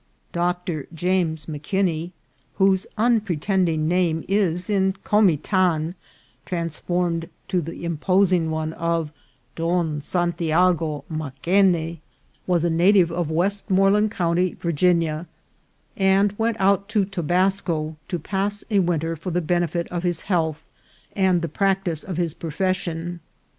Dr. James M'Kinney, whose unpretending name is in Comitan transformed to the imposing one of Don Santiago Maquene, was a native of Westmoreland coun ty, Virginia, and went out to Tobasco to pass a winter for the benefit of his health and the practice of his pro fession.